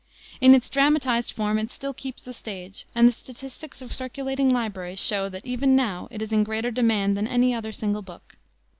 In its dramatized form it still keeps the stage, and the statistics of circulating libraries show that even now it is in greater demand than any other single book.